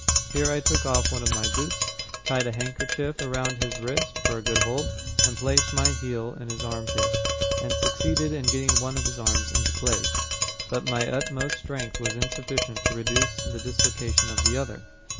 Here I took off one of my boots, tied a handkerchief around his wrist for a good hold, placed my heel in his arm pit, and succeeded in getting one of his arms into place, but my utmost strength was insufficient to reduce the dislocation of the other.